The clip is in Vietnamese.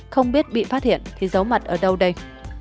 không biết bị phát hiện thì giấu mặt ở đâu đây